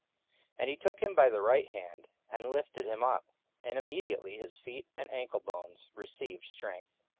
44:003:007 And he took him by the right hand, and lifted him up: and immediately his feet and ankle bones received strength.